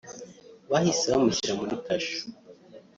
bahise bamushyira muri kasho